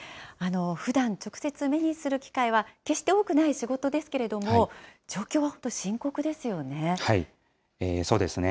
ふだん、直接目にする機会は決して多くない仕事ですけれども、そうですね。